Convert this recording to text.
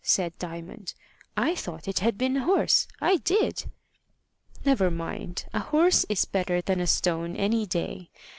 said Diamond. "I thought it had been a horse I did." "Never mind. A horse is better than a stone any day.